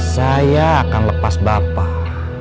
saya akan lepas bapak